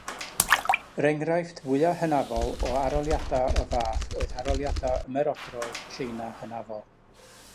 Yr enghraifft fwyaf hynafol o arholiadau o'r fath oedd arholiadau ymerodrol Tsieina hynafol.